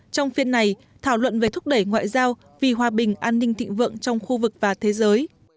trong phiên này thảo luận về thúc đẩy ngoại giao vì hòa bình an ninh thịnh vượng trong khu vực và thế giới